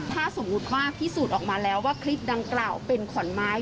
ถ้าสมมุติว่าพิสูจน์ออกมาแล้วว่าคลิปดังกล่าวเป็นขอนไม้